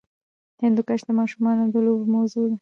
هندوکش د ماشومانو د لوبو موضوع ده.